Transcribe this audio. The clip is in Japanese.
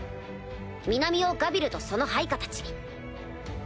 南をガビルとその配下たち。